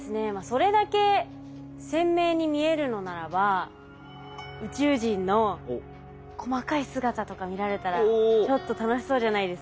それだけ鮮明に見えるのならば宇宙人の細かい姿とか見られたらちょっと楽しそうじゃないですか。